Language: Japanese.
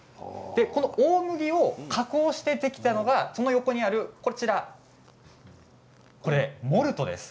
この大麦を加工してできたのはその横にあるモルトです。